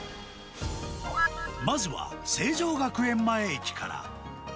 まずは成城学園前駅から。